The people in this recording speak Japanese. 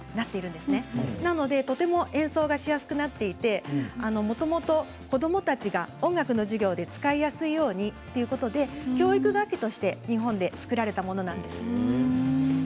ですから演奏がしやすくなっていてもともと子どもたちが音楽の授業で使いやすいようにということで教育楽器として日本で作られたものなんです。